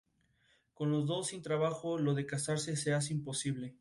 Además de su natal búlgaro, habla con fluidez los idiomas alemán y ruso.